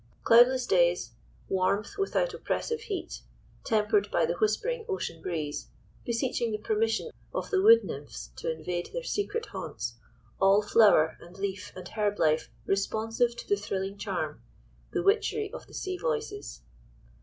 Cloudless days, warmth, without oppressive heat, tempered by the whispering ocean breeze, beseeching the permission of the wood nymphs to invade their secret haunts, all flower, and leaf, and herb life responsive to the thrilling charm—the witchery of the sea voices.